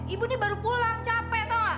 ibu ini baru pulang capek tau gak